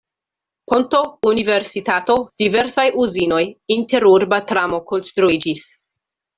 Ponto, universitato, diversaj uzinoj, interurba tramo konstruiĝis.